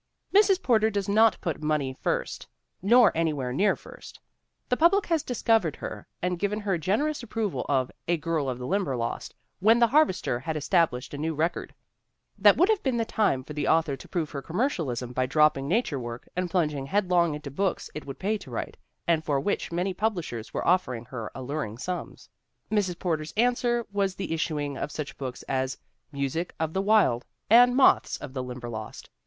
' Mrs. Porter does not put money first, nor any where near first. "When the public had discovered her and given generous approval to A Girl of the Limberlost, when The Harvester had established a new record, that would have been the time for the author to prove her commercialism by dropping na ture work, and plunging headlong into books it would pay to write, and for which many publishers were offering her alluring sums. Mrs. Porter's answer was the issuing of such books as Music of the Wild and Moths of the Limberlost.